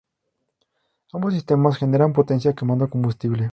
Ambos sistemas generan potencia quemando combustible.